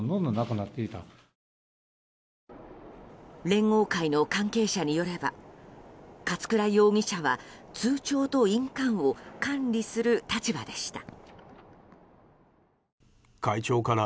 連合会の関係者によれば勝倉容疑者は通帳と印鑑を管理する立場でした。